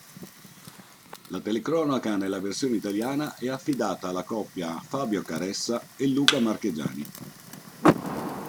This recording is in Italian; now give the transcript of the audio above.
La telecronaca nella versione italiana è affidata alla coppia Fabio Caressa e Luca Marchegiani.